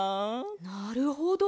なるほど。